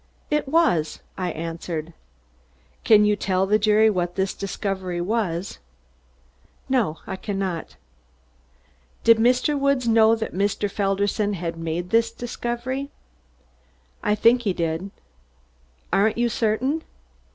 "It was!" I answered. "Can you tell the jury what this discovery was?" "No, I can not." "Did Mr. Woods know that Mr. Felderson had made this discovery?" "I think he did." "Aren't you certain?"